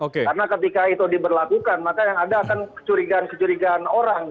karena ketika itu diberlakukan maka yang ada akan kecurigaan kecurigaan orang gitu